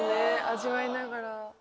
味わいながら。